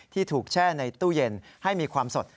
ที่ถูกแช่ในตู้เย็นให้มีความสด